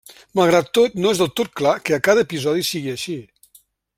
Malgrat tot, no és del tot clar que a cada episodi sigui així.